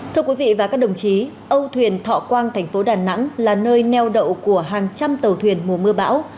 thưa quý vị và các đồng chí âu thuyền thọ quang thành phố đà nẵng là nơi neo đậu của hàng trăm tàu thuyền mùa mưa bão